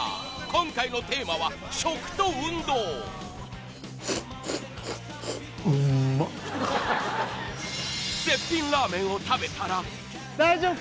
今回のテーマは食と運動絶品ラーメンを食べたら大丈夫？